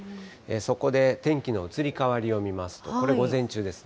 そこで天気の移り変わりを見ますと、これ午前中ですね。